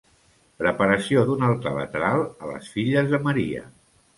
Preparació d'un altar lateral a les filles de Maria.